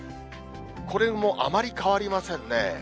これもあまり変わりませんね。